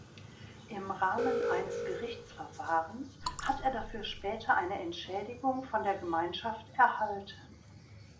Im Rahmen eines Gerichtsverfahrens hat er dafür später eine Entschädigung von der Gemeinschaft erhalten.